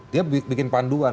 dia bikin panduan